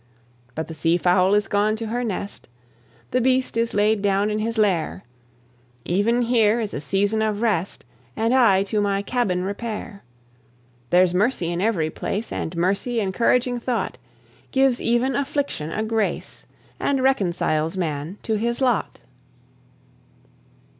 But the seafowl is gone to her nest, The beast is laid down in his lair, Even here is a season of rest, And I to my cabin repair. There's mercy in every place, And mercy, encouraging thought! Gives even affliction a grace, And reconciles man to his lot.